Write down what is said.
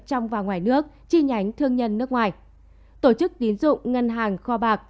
trong và ngoài nước chi nhánh thương nhân nước ngoài tổ chức tín dụng ngân hàng kho bạc